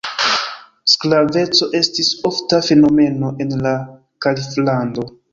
Sklaveco estis ofta fenomeno en la Kaliflando.